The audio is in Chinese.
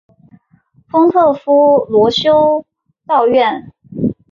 丰特夫罗修道院。